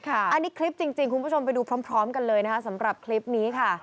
อันนี้คลิปจริงคุณผู้ชมไปดูพร้อมกันเลยนะคะสำหรับคลิปนี้ค่ะ